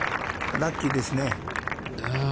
ラッキーですね。